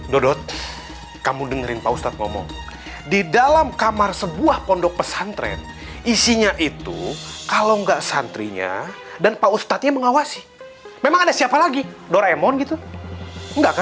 dodot kamu dengerin pak ustadz ngomong di dalam kamar sebuah pondok pesantren isinya itu kalau enggak santrinya dan pak ustadznya mengawasi memang ada siapa lagi doraemon gitu enggak ke